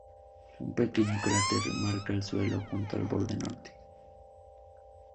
Un pequeño cráter marca el suelo junto al borde norte.